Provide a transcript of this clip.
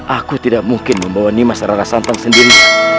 aku tidak mungkin membawa nima sararasantang sendiri